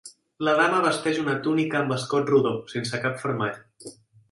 La dama vesteix una túnica amb escot rodó, sense cap fermall.